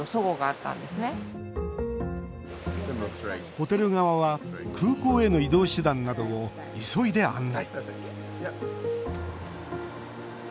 ホテル側は空港への移動手段などを急いで案内。